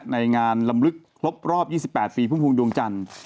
ในงานลำลึกครบรอบ๒๘ปีพุ่มพวงดวงจันทร์